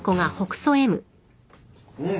うん。